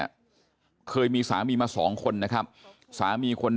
แล้วก็ยัดลงถังสีฟ้าขนาด๒๐๐ลิตร